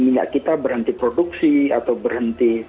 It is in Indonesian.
minyak kita berhenti produksi atau berhenti